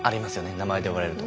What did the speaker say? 名前で呼ばれると。